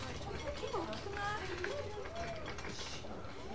規模大きくない？